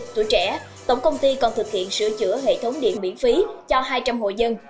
tuổi trẻ tổng công ty còn thực hiện sửa chữa hệ thống điện miễn phí cho hai trăm linh hội dân